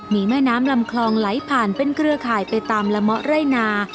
มีแม่น้ำลำคลองไหลผ่านเป็นเครือข่ายไปตามละเมาะไร่นา